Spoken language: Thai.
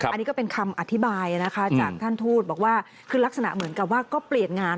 อันนี้ก็เป็นคำอธิบายนะคะจากท่านทูตบอกว่าคือลักษณะเหมือนกับว่าก็เปลี่ยนงาน